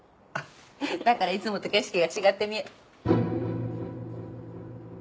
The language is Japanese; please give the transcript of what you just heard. だからいつもと景色が違って。